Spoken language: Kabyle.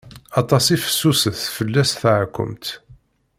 Atas i fessuset fell-as teɛkumt.